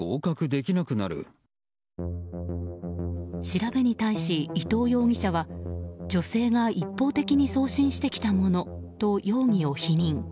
調べに対し、伊藤容疑者は女性が一方的に送信してきたものと容疑を否認。